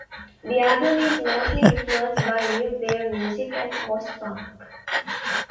The album is mostly influenced by new wave music and post-punk.